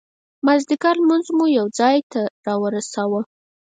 مازدیګر لمونځ مو یو ځای ته را ورساوه.